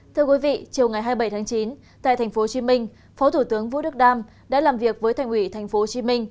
thưa quý vị chiều ngày hai mươi bảy tháng chín tại tp hcm phó thủ tướng vũ đức đam đã làm việc với thành ủy tp hcm